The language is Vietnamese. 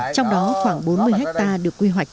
trong đó khoảng bốn mươi ha được quy hoạch